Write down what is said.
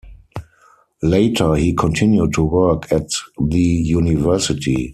Later he continued to work at the university.